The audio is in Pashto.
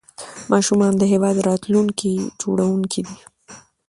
ماشومان د هیواد راتلونکي جوړونکي دي.